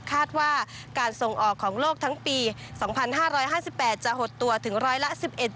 คาดว่าการส่งออกของโลกทั้งปี๒๕๕๘จะหดตัวถึงร้อยละ๑๑